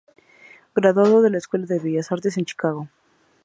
Graduado de la escuela de Bellas Artes de Chicago.